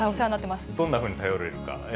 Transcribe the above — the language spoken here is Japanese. どんなふうに頼れるのか。